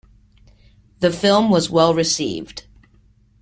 The film was well received.